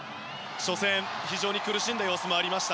初戦、非常に苦しんだ様子もありました。